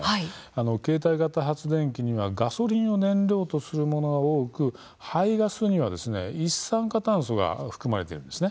携帯型発電機にはガソリンを燃料とするものが多くありましてその排ガスには一酸化炭素が含まれています。